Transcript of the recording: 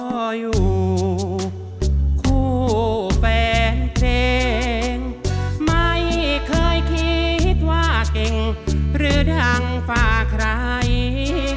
อยู่คู่แฟนเพลงไม่เคยคิดว่าเก่งหรือดังฝากใคร